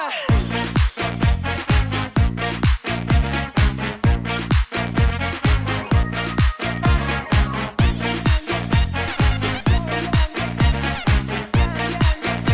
สวัสดีค่ะ